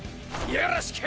よろしく！